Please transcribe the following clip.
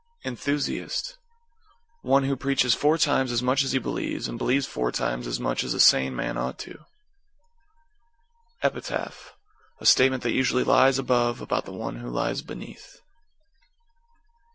=ENTHUSIAST= One who preaches four times as much as he believes and believes four times as much as a sane man ought to. =EPITAPH= A statement that usually lies above about the one who lies beneath.